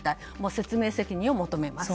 説明責任を求めます。